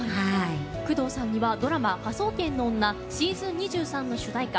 工藤さんにはドラマ「科捜研の女ｓｅａｓｏｎ２３」の主題歌